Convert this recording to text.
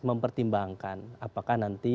mempertimbangkan apakah nanti